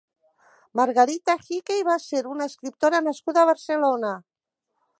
Margarita Hickey va ser una escriptora nascuda a Barcelona.